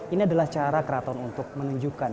ini adalah cara keraton untuk menunjukkan